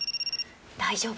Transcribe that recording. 大丈夫。